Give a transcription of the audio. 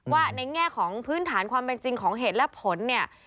ในแง่ของพื้นฐานความเป็นจริงของเหตุและผลเนี่ย